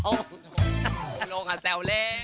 ลูกเราแซวเล่น